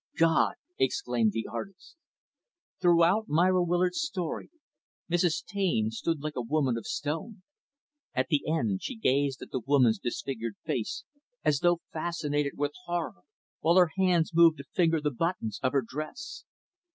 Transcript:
"God!" exclaimed the artist. Throughout Myra Willard's story, Mrs. Taine stood like a woman of stone. At the end, she gazed at the woman's disfigured face, as though fascinated with horror, while her hands moved to finger the buttons of her dress.